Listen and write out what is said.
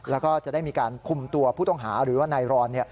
แล้วก็จะได้มีการคุมตัวผู้ต้องหาหรือว่านายรอน